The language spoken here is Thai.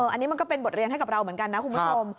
อันนี้มันก็เป็นบทเรียนให้กับเราเหมือนกันนะคุณผู้ชม